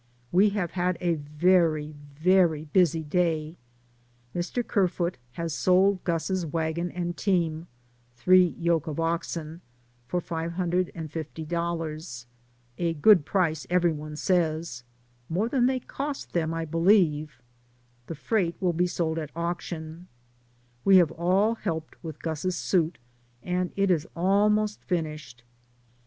We have had a very, very busy day. Mr. Kerfoot has sold Gus's wagon and team (three yoke of oxen) for $550, a good price every one says. More than they cost them, DAYS ON THE ROAD. 57 I believe. The freight will be sold at auction. We have all helped with Gus's suit and it is almost finished.